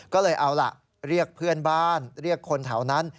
ก็เลยเอาล่ะเรียกเพื่อนบ้านเรียกคนแถวนั้น